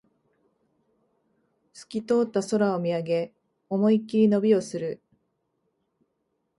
すき通った空を見上げ、思いっきり伸びをする